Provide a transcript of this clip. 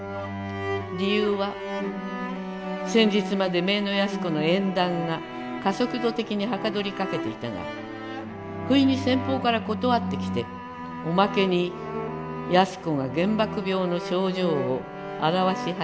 理由は先日まで姪の矢須子の縁談が加速度的に捗りかけていたが不意に先方から断って来ておまけに矢須子が原爆病の症状を現し始めたからである。